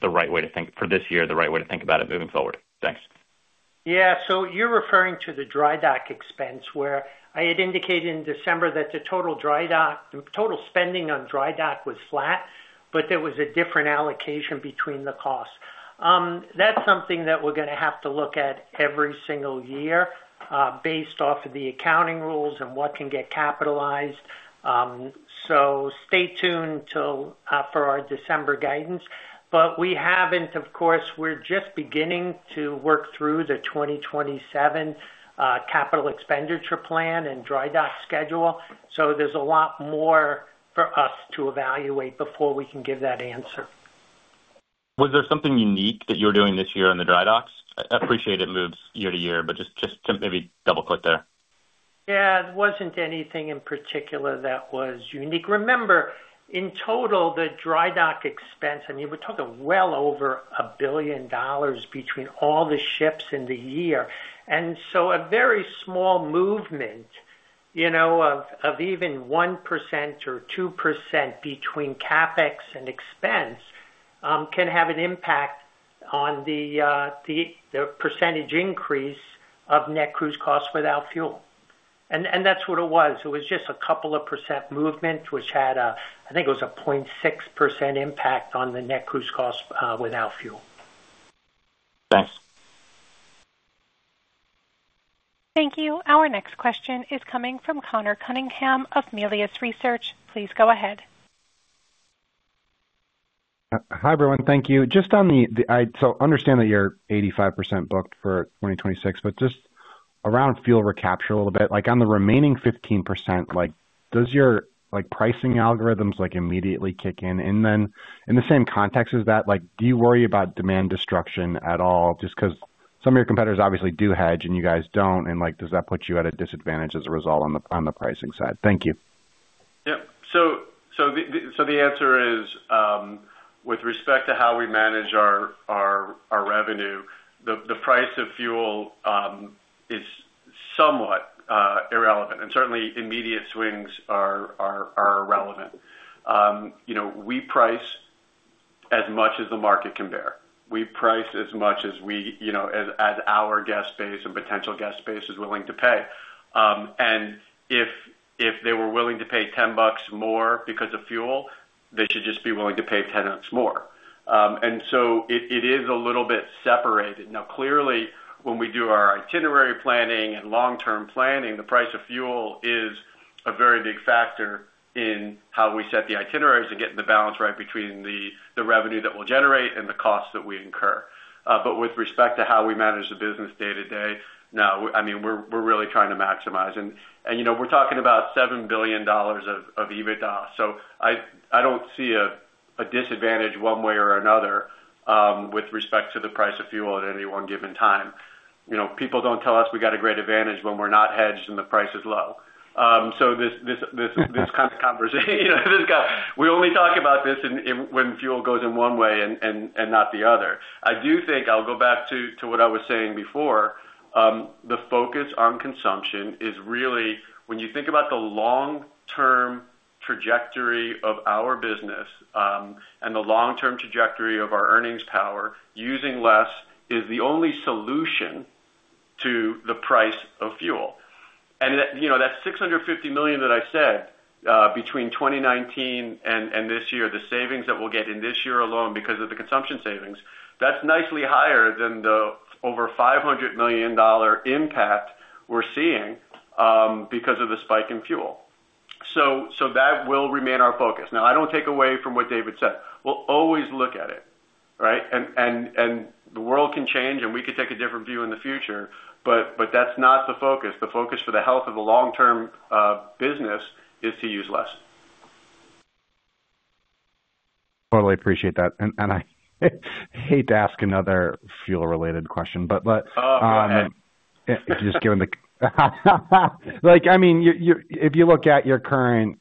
the right way to think for this year, the right way to think about it moving forward? Thanks. Yeah. You're referring to the dry dock expense where I had indicated in December that the total spending on dry dock was flat, but there was a different allocation between the costs. That's something that we're gonna have to look at every single year based off of the accounting rules and what can get capitalized. Stay tuned for our December guidance. We haven't. Of course, we're just beginning to work through the 2027 capital expenditure plan and dry dock schedule. There's a lot more for us to evaluate before we can give that answer. Was there something unique that you're doing this year on the dry docks? I appreciate it moves year to year, but just to maybe double-click there. Yeah. It wasn't anything in particular that was unique. Remember, in total, the dry dock expense, I mean, we're talking well over $1 billion between all the ships in the year. A very small movement. You know, of even 1% or 2% between CapEx and expense can have an impact on the percentage increase of net cruise costs without fuel. That's what it was. It was just a couple of percent movement, which had a, I think it was a 0.6% impact on the net cruise costs without fuel. Thanks. Thank you. Our next question is coming from Conor Cunningham of Melius Research. Please go ahead. Hi, everyone. Thank you. Just on that, so I understand that you're 85% booked for 2026, but just around fuel recapture a little bit, like, on the remaining 15%, like, does your, like, pricing algorithms, like, immediately kick in? Then in the same context as that, like, do you worry about demand destruction at all? Just 'cause some of your competitors obviously do hedge and you guys don't, and, like, does that put you at a disadvantage as a result on the pricing side? Thank you. Yeah. The answer is, with respect to how we manage our revenue, the price of fuel is somewhat irrelevant, and certainly immediate swings are irrelevant. You know, we price as much as the market can bear. We price as much as we, you know, as our guest base and potential guest base is willing to pay. If they were willing to pay $10 more because of fuel, they should just be willing to pay $10 more. It is a little bit separated. Now, clearly, when we do our itinerary planning and long-term planning, the price of fuel is a very big factor in how we set the itineraries and getting the balance right between the revenue that we'll generate and the costs that we incur. With respect to how we manage the business day-to-day, no, I mean, we're really trying to maximize. You know, we're talking about $7 billion of EBITDA. I don't see a disadvantage one way or another with respect to the price of fuel at any one given time. You know, people don't tell us we got a great advantage when we're not hedged and the price is low. This kind of conversation, you know, this way, we only talk about this when fuel goes in one way and not the other. I do think I'll go back to what I was saying before, the focus on consumption is really when you think about the long-term trajectory of our business, and the long-term trajectory of our earnings power, using less is the only solution to the price of fuel. That, you know, that $650 million that I said, between 2019 and this year, the savings that we'll get in this year alone because of the consumption savings, that's nicely higher than the over $500 million impact we're seeing, because of the spike in fuel. That will remain our focus. Now, I don't take away from what David said. We'll always look at it, right? The world can change, and we could take a different view in the future, but that's not the focus. The focus for the health of the long-term business is to use less. totally appreciate that. I hate to ask another fuel-related question, but. Oh, go ahead. If you're just given the, like, I mean, if you look at your current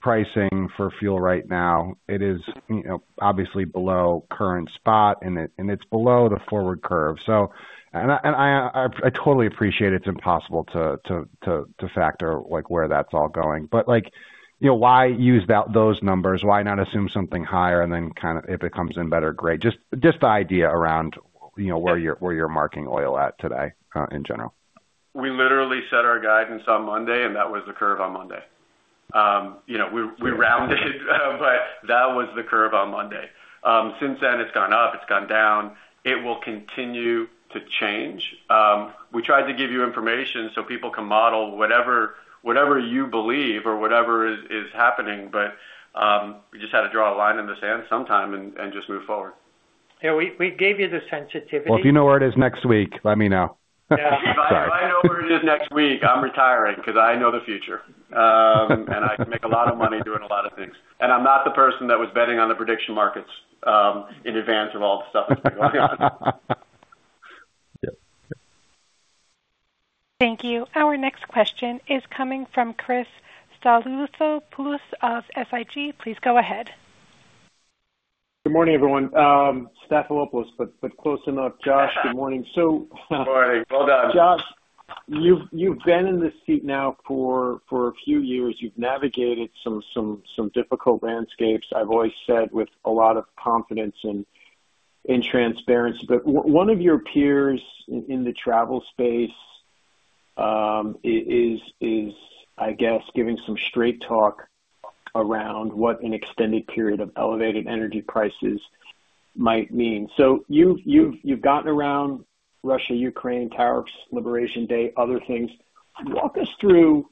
pricing for fuel right now, it is, you know, obviously below current spot and it's below the forward curve. I totally appreciate it's impossible to factor, like, where that's all going. Like, you know, why use those numbers? Why not assume something higher and then kinda if it comes in better, great. The idea around, you know, where you're marking oil at today, in general. We literally set our guidance on Monday, and that was the curve on Monday. You know, we rounded, but that was the curve on Monday. Since then, it's gone up, it's gone down. It will continue to change. We tried to give you information so people can model whatever you believe or whatever is happening, but we just had to draw a line in the sand sometime and just move forward. Yeah, we gave you the sensitivity. Well, if you know where it is next week, let me know. Yeah. If I know where it is next week, I'm retiring because I know the future. I can make a lot of money doing a lot of things. I'm not the person that was betting on the prediction markets, in advance of all the stuff that's been going on. Thank you. Our next question is coming from Chris Stathoulopoulos of SIG. Please go ahead. Good morning, everyone. Stathoulopoulos, but close enough. Josh, good morning. Good morning. Well done. Josh, you've been in this seat now for a few years. You've navigated some difficult landscapes. I've always said with a lot of confidence and transparency. One of your peers in the travel space is, I guess, giving some straight talk around what an extended period of elevated energy prices might mean. You've gotten around Russia, Ukraine, tariffs, Liberation Day, other things. Walk us through,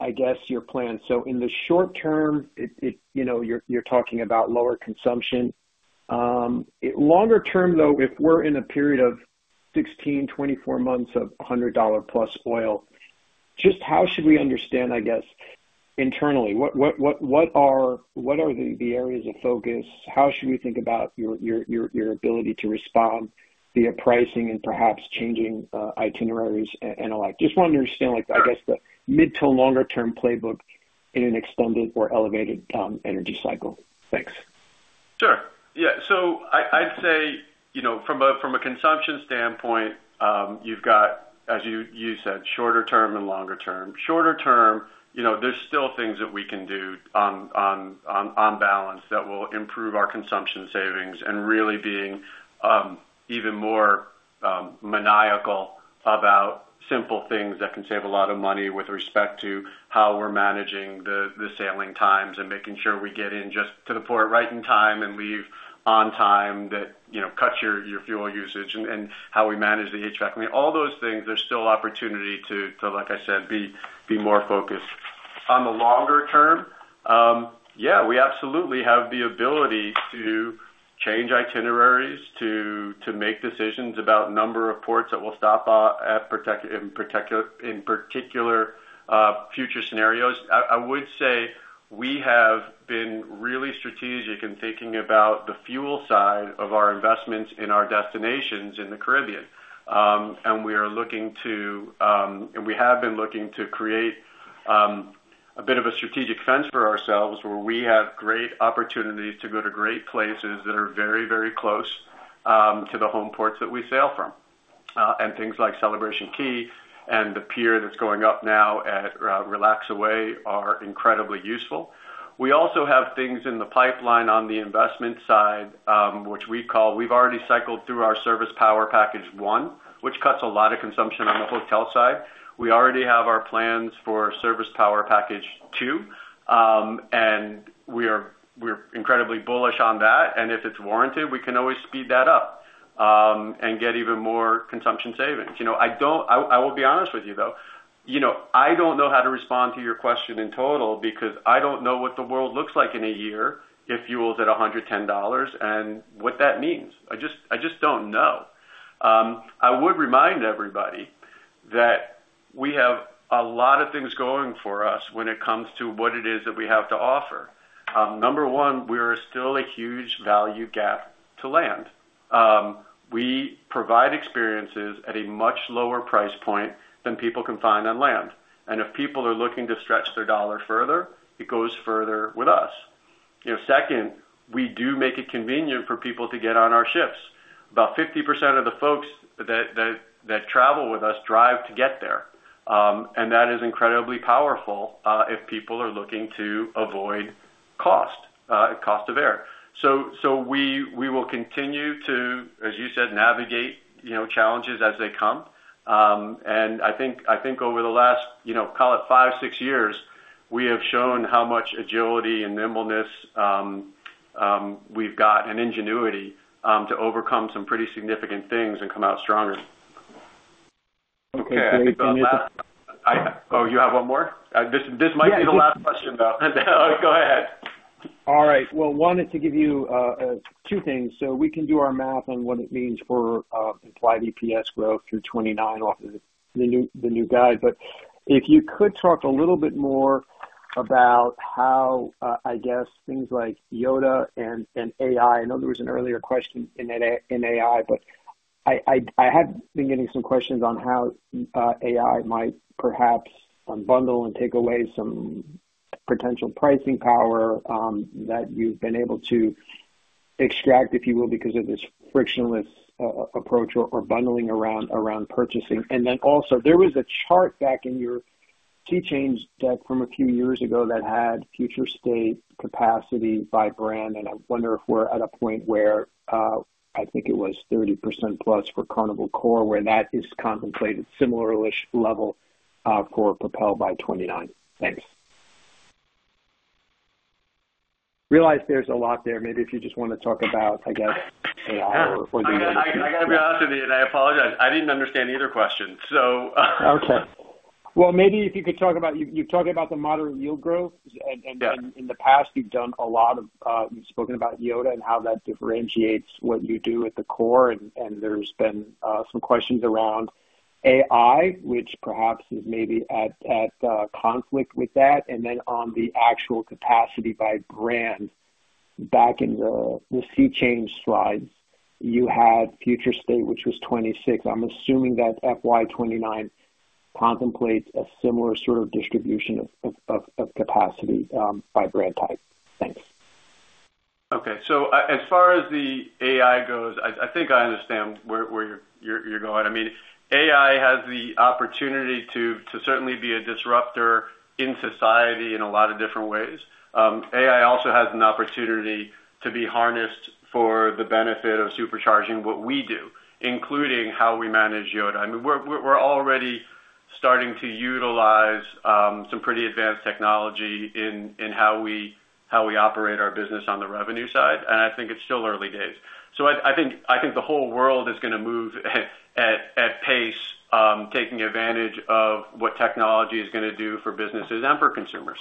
I guess, your plan. In the short term, it you know, you're talking about lower consumption. Longer term, though, if we're in a period of 16-24 months of $100+ oil, just how should we understand, I guess, internally? What are the areas of focus? How should we think about your ability to respond via pricing and perhaps changing itineraries and the like? Just want to understand, like, I guess the mid to longer term playbook in an extended or elevated energy cycle. Thanks. Sure. Yeah. I'd say, you know, from a consumption standpoint, you've got, as you said, shorter term and longer term. Shorter term, you know, there's still things that we can do on balance that will improve our consumption savings and really being even more maniacal about simple things that can save a lot of money with respect to how we're managing the sailing times and making sure we get in just to the port right in time and leave on time that, you know, cuts your fuel usage, and how we manage the HVAC. I mean, all those things, there's still opportunity to, like I said, be more focused. On the longer term, yeah, we absolutely have the ability to change itineraries, to make decisions about number of ports that will stop at, in particular, future scenarios. I would say we have been really strategic in thinking about the fuel side of our investments in our destinations in the Caribbean. We have been looking to create a bit of a strategic fence for ourselves where we have great opportunities to go to great places that are very, very close to the home ports that we sail from. Things like Celebration Key and the pier that's going up now at Relaxaway are incredibly useful. We also have things in the pipeline on the investment side, which we call... We've already cycled through our Service Power Packages one, which cuts a lot of consumption on the hotel side. We already have our plans for Service Power Packages two, and we're incredibly bullish on that, and if it's warranted, we can always speed that up, and get even more consumption savings. You know, I will be honest with you, though. You know, I don't know how to respond to your question in total because I don't know what the world looks like in a year if fuel's at $110 and what that means. I just don't know. I would remind everybody that we have a lot of things going for us when it comes to what it is that we have to offer. Number one, we're still a huge value gap to land. We provide experiences at a much lower price point than people can find on land. If people are looking to stretch their dollar further, it goes further with us. You know, second, we do make it convenient for people to get on our ships. About 50% of the folks that travel with us drive to get there, and that is incredibly powerful if people are looking to avoid cost of air. We will continue to, as you said, navigate, you know, challenges as they come. I think over the last, you know, call it five, six years, we have shown how much agility and nimbleness we've got, and ingenuity to overcome some pretty significant things and come out stronger. Okay. Anything you- Oh, you have one more? This might be the last question, though. Go ahead. All right. Well, one is to give you two things, so we can do our math on what it means for implied EPS growth through 2029 off of the new guide. If you could talk a little bit more about how I guess things like YODA and AI. I know there was an earlier question in AI, but I have been getting some questions on how AI might perhaps unbundle and take away some potential pricing power that you've been able to extract, if you will, because of this frictionless approach or bundling around purchasing. There was a chart back in your SEA Change deck from a few years ago that had future state capacity by brand, and I wonder if we're at a point where I think it was 30%+ for Carnival core, where that is contemplated similar-ish level for PROPEL by 2029. Thanks. Realize there's a lot there. Maybe if you just want to talk about, I guess, AI or one of the other two. I gotta be honest with you, and I apologize. I didn't understand either question, so Okay. Well, maybe if you could talk about, you talked about the moderate yield growth. Yeah. In the past you've done a lot of, you've spoken about YODA and how that differentiates what you do at the core, and there's been some questions around AI, which perhaps is maybe in conflict with that. On the actual capacity by brand, back in the SEA Change slides, you had future state, which was 2026. I'm assuming that FY 2029 contemplates a similar sort of distribution of capacity by brand type. Thanks. Okay. As far as the AI goes, I think I understand where you're going. I mean, AI has the opportunity to certainly be a disruptor in society in a lot of different ways. AI also has an opportunity to be harnessed for the benefit of supercharging what we do, including how we manage YODA. I mean, we're already starting to utilize some pretty advanced technology in how we operate our business on the revenue side, and I think it's still early days. I think the whole world is gonna move at pace, taking advantage of what technology is gonna do for businesses and for consumers.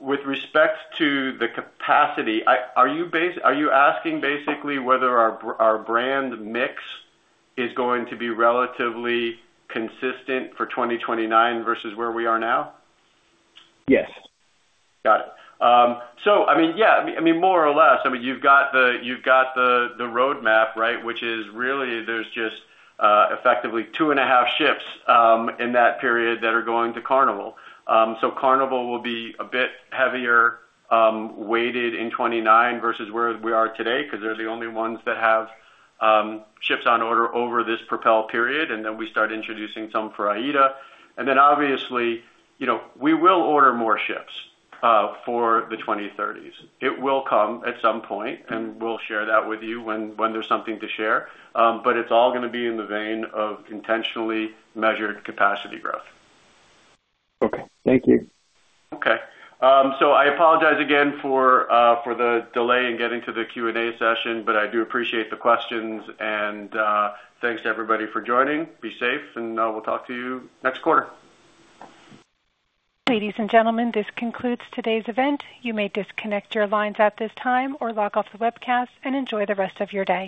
With respect to the capacity, are you asking basically whether our brand mix is going to be relatively consistent for 2029 versus where we are now? Yes. Got it. So I mean, yeah, more or less. I mean, you've got the roadmap, right? Which is really, there's just effectively two and a half ships in that period that are going to Carnival. So Carnival will be a bit heavier weighted in 2029 versus where we are today, 'cause they're the only ones that have ships on order over this PROPEL period. Then we start introducing some for AIDA. Then obviously, you know, we will order more ships for the 2030s. It will come at some point, and we'll share that with you when there's something to share. But it's all gonna be in the vein of intentionally measured capacity growth. Okay. Thank you. Okay. I apologize again for the delay in getting to the Q&A session, but I do appreciate the questions. Thanks to everybody for joining. Be safe. We'll talk to you next quarter. Ladies and gentlemen, this concludes today's event. You may disconnect your lines at this time or log off the webcast and enjoy the rest of your day.